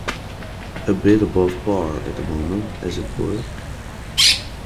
A bit above par at the moment, as it were?